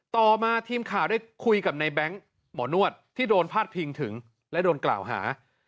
ต่อมาทีมข่าวได้คุยกับในแบงค์หมอนวดที่โดนพาดพิงถึงและโดนกล่าวหา